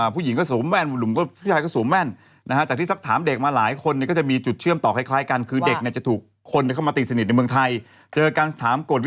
ผู้หญิงก็สูงแหม่นหลุมพี่ชายก็สูงแหม่นจากที่สักถามเด็กมาหลายคนก็จะมีจุดเชื่อมต่อคล้ายกัน